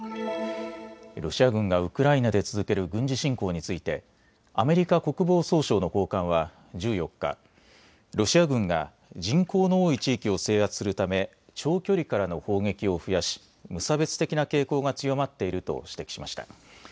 ロシア軍がウクライナで続ける軍事侵攻についてアメリカ国防総省の高官は１４日、ロシア軍が人口の多い地域を制圧するため長距離からの砲撃を増やし、無差別的な傾向が強まっていると指摘しました。